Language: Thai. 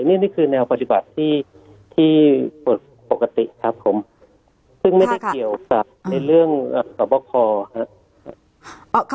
นี่คือแนวปฏิบัติที่ปกติครับผมซึ่งไม่ได้เกี่ยวกับในเรื่องสอบคอครับ